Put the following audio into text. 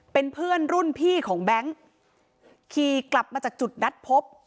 เป็นเพื่อนรุ่นพี่ของแบงค์ขี่กลับมาจากจุดนัดพบ